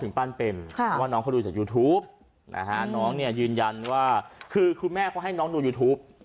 ถึงปั้นเป็นว่าน้องเขาดูจากยูทูปคือคุณแม่เขาให้น้องดูยูทูป